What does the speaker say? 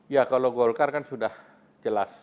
ya kalau golkar kan sudah jelas